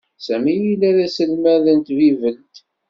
Sami yella d aselmad n tbibelt.